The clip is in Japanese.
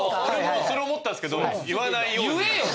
俺もそれ思ったんですけど言わないように。